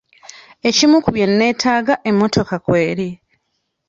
Ekimu ku bye nneetaaga emmotoka kw'eri.